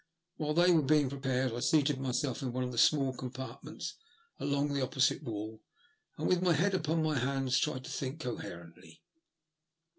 While they were being prepared I seated myself in one of the small compartments along the opposite wall, and with my head upon my hands tried to think coherently.